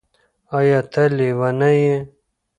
ایا ته لیونی یې؟